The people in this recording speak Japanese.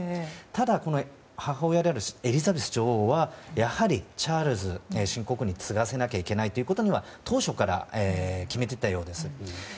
ただ母親であるエリザベス女王はやはりチャールズ新国王に継がせなきゃいけないということを当初から、決めていたようです。